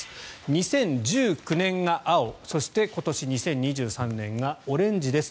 ２０１９年が青そして、今年２０２３年がオレンジです。